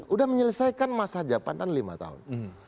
udah menyelesaikan masa jabatan lima tahun